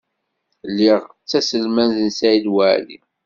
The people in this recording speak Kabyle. Lliɣ d taselmadt n Saɛid Waɛli.